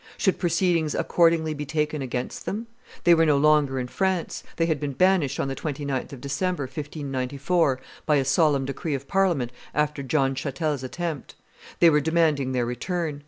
Should proceedings accordingly be taken against them? They were no longer in France; they had been banished on the 29th of December, 1594, by a solemn decree of Parliament, after John Chatel's attempt. They were demanding their return.